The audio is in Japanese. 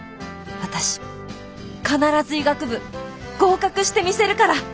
私必ず医学部合格してみせるから！